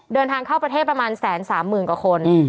เดินทางเข้าประเทศประมาณ๑๓๐๐๐กว่าคน